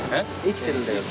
生きてるんだよ